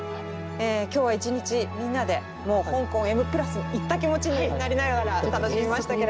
え今日は一日みんなでもう香港「Ｍ＋」行った気持ちになりながら楽しみましたけれども。